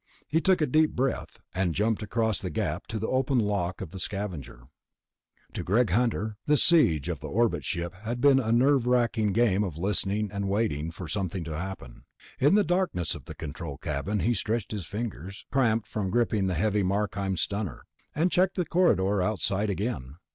He took a deep breath, and jumped across the gap to the open lock of the Scavenger. 6. The Last Run of the Scavenger To Greg Hunter the siege of the orbit ship had been a nerve wracking game of listening and waiting for something to happen. In the darkness of the control cabin he stretched his fingers, cramped from gripping the heavy Markheim stunner, and checked the corridor outside again.